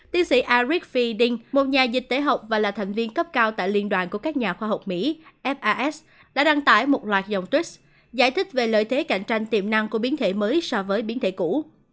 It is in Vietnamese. tiến sĩ eric frieding một nhà dịch tế học và là thần viên cấp cao tại liên đoàn của các nhà khoa học mỹ đã đăng tải một loạt dòng tweets giải thích về lợi thế cạnh tranh tiềm năng của biến thể mới so với biến thể cũ